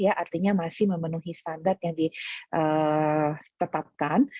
artinya masih memenuhi standar yang ditetapkan